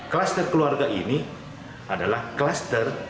klaster keluarga ini adalah klaster